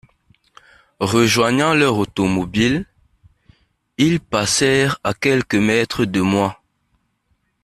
Rejoignant leur automobile, ils passèrent à quelques mètres de moi.